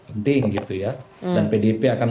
penting gitu ya dan pdip akan